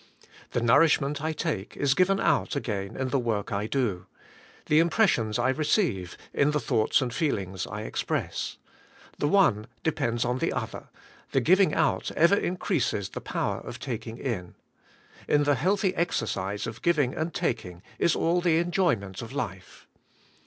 The nourishment I take is given out again in the work I do; the impressions I receive, in the thoughts and feelings I express. The one de pends on the other, — the giving out ever increases the power of taking in. In the healthy exercise of giving and taking is all the enjoyment of life.